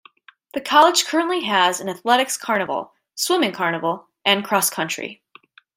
The college currently has an Athletics Carnival, Swimming Carnival and Cross Country.